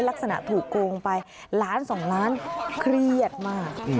ลักษณะถูกโกงไปล้านสองล้านเครียดมาก